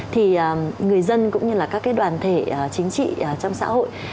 thì người dân cũng như là các cái đoàn thể chính trị trong xã hội